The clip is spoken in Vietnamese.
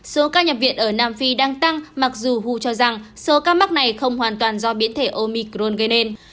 số ca nhập viện ở nam phi đang tăng mặc dù hu cho rằng số ca mắc này không hoàn toàn do biến thể omicron gây nên